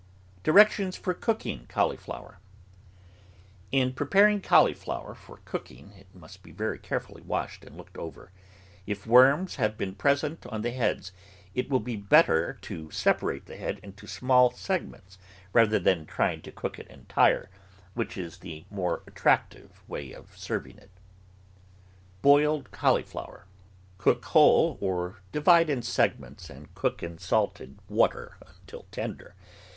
DIRECTIONS FOR COOKING CAULIFLOWER In preparing cauliflower for cooking, it must be very carefully washed and looked over; if worms have been present on the heads, it will be better to THE GROWING OF VARIOUS VEGETABLES separate the head into small segments rather than to try to cook it entire, which is the more attractive way of serving it. BOILED CAULIFLOWER Cook whole, or divide in segments and cook in salted water until tender.